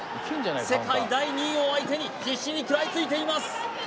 世界第２位を相手に必死に食らいついています